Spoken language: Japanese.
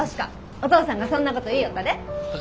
お父さんがそんなこと言いよったで。